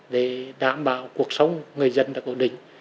để đảm bảo cuộc sống người dân đã ổn định